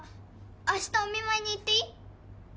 明日お見舞いに行っていい？